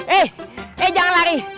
eh eh jangan lari